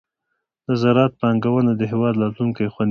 د زراعت پانګونه د هېواد راتلونکې خوندي کوي.